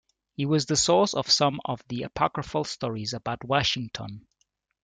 He was the source of some of the apocryphal stories about Washington.